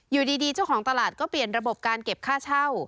อยู่ดีเจ้าของตลาดก็เปลี่ยนระบบการเก็บค่าเช่า